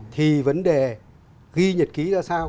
thì vấn đề ghi nhật ký ra sao